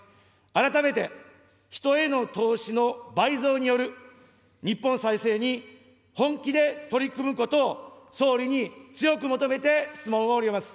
改めて人への投資の倍増による日本再生に、本気で取り組むことを総理に強く求めて、質問を終わります。